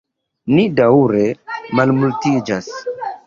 Ni daŭre malmultiĝas.